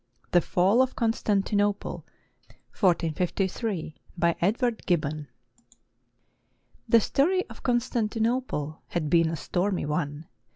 THE FALL OF CONSTANTINOPLE BY EDWARD GIBBON [The story of Constantinople had been a stormy one.